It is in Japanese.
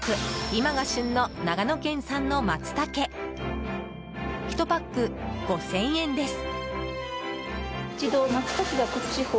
今が旬の長野県産のマツタケ１パック５０００円です。